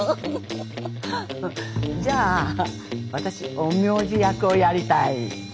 じゃあ私陰陽師役をやりたい！